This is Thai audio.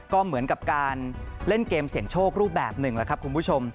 ก็เหมือนกับการเล่นเกมเสี่ยงโชครูปแบบหนึ่งแล้วครับคุณผู้ชม